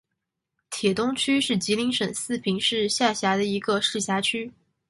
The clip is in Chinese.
铁东区是吉林省四平市下辖的一个市辖区。